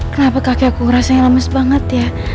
kenapa kakekku ngerasain lames banget ya